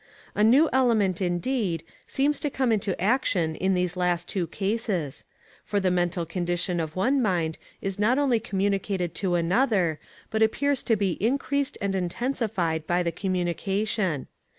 A new element, indeed, seems to come into action in these last two cases; for the mental condition of one mind is not only communicated to another, but it appears to be increased and intensified by the communication.